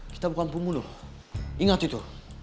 kita bukan pemulung ingat itu